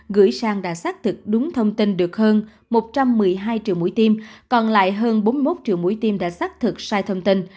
gửi sang đã xác thực đúng thông tin được hơn một trăm một mươi hai triệu mũi tim còn lại hơn bốn mươi một triệu mũi tiêm đã xác thực sai thông tin